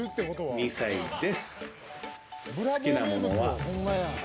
２歳です。